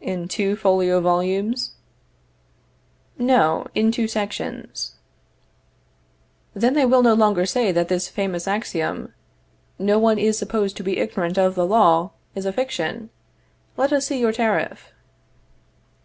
In two folio volumes? No, in two sections. Then they will no longer say that this famous axiom "No one is supposed to be ignorant of the law" is a fiction. Let us see your tariff.